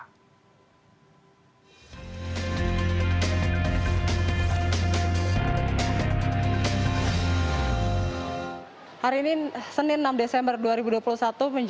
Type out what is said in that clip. hari ini nanti kami akan menjelaskan tentang kekuatan lembaga dan kekuatan teknologi